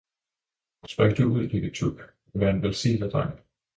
spring du ud, lille Tuk, og vær en velsignet dreng!